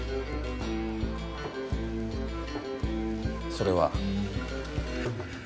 それは。